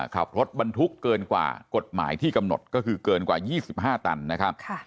ขับรถบรรทุกเกินกว่ากฎหมายที่กำหนดก็คือเกินกว่า๒๕ตันนะครับ